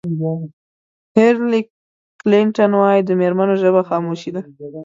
هېلري کلنټن وایي د مېرمنو ژبه خاموشي ده.